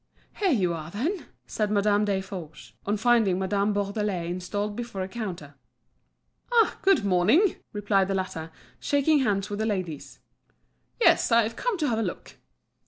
"Here you are, then!" said Madame Desforges, on finding Madame Bourdelais installed before a counter. "Ah! good morning!" replied the latter, shaking hands with the ladies. "Yes, I've come to have a look."